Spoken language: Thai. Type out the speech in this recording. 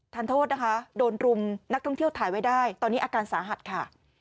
โทษนะคะโดนรุมนักท่องเที่ยวถ่ายไว้ได้ตอนนี้อาการสาหัสค่ะ